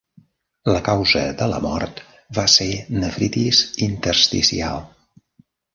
La causa de la mort va ser nefritis intersticial.